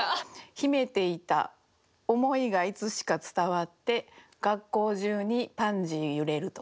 「秘めていた思いがいつしか伝わって学校中にパンジー揺れる」とか。